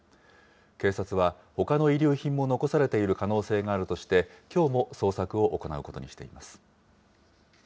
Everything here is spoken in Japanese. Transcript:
警察は、ほかの遺留品も残されている可能性もあるとして、きょうも捜索を行うことにしています。